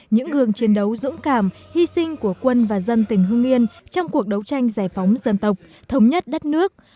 những gương chiến đấu dũng cảm hy sinh của quân và dân tỉnh hương yên trong cuộc đấu tranh giải phóng dân tộc thống nhất đất nước